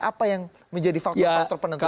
apa yang menjadi faktor faktor penentu